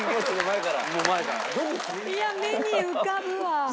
いやあ目に浮かぶわ。